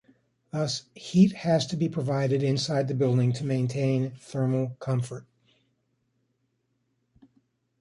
Thus heat has to be provided inside the building to maintain thermal comfort.